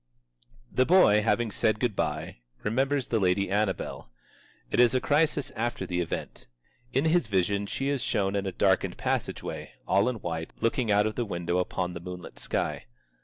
The boy, having said good by, remembers the lady Annabel. It is a crisis after the event. In his vision she is shown in a darkened passageway, all in white, looking out of the window upon the moonlit sky.